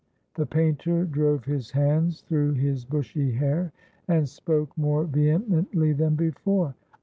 The painter drove his hands through his bushy hair, and spoke more vehemently than before.